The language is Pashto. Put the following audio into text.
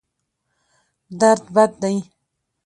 درد بد دی.